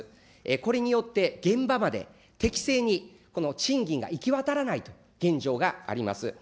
これによって現場まで適正にこの賃金が行き渡らないという現状があります。